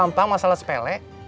kamu gak cari rumah masalah sepele